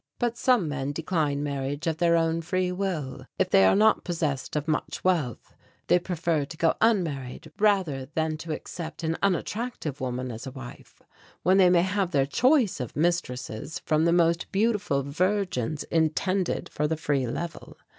But some men decline marriage of their own free will; if they are not possessed of much wealth they prefer to go unmarried rather than to accept an unattractive woman as a wife when they may have their choice of mistresses from the most beautiful virgins intended for the Free Level.